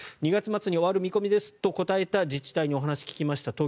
２月末に終わる見込みですと答えた自治体に聞きました。